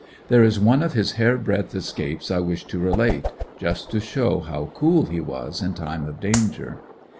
There is one of his hair breadth escapes I wish to relate, just to show how cool he was in time of danger.